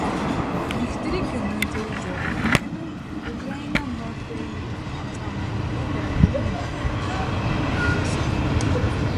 Վիկտորը ոստիկանության ձեռքն է ընկնում ուկրաինական մաֆիայի անդամների վրա կրակելու համար։